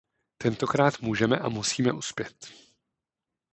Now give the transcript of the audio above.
Tentokrát můžeme a musíme uspět.